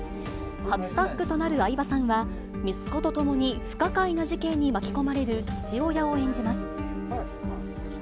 初タッグとなる相葉さんは、息子と共に不可解な事件に巻き込まれる父親を演じます。